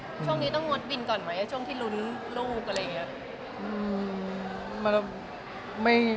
ช่วงนี้ต้องงดบินก่อนไหมช่วงที่ลุ้นลูกอะไรอย่างนี้